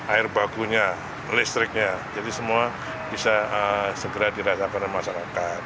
air bakunya listriknya jadi semua bisa segera dirasakan oleh masyarakat